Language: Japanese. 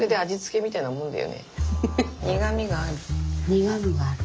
苦みがある。